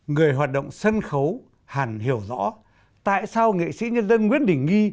người hoạt động sân khấu hẳn hiểu rõ tại sao nghệ sĩ nhân dân nguyễn đình nghi